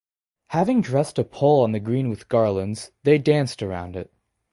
Having dressed a pole on the green with garlands, they danced around it.